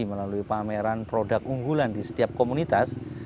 melalui pameran produk unggulan di setiap komunitas